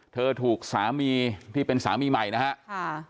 เธอถูกสามีที่เป็นสามีใหม่นะฮะ